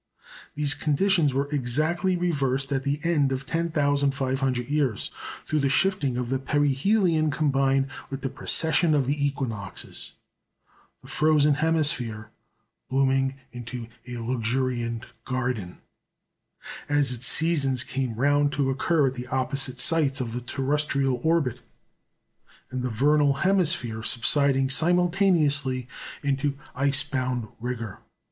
These conditions were exactly reversed at the end of 10,500 years, through the shifting of the perihelion combined with the precession of the equinoxes, the frozen hemisphere blooming into a luxuriant garden as its seasons came round to occur at the opposite sites of the terrestrial orbit, and the vernal hemisphere subsiding simultaneously into ice bound rigour.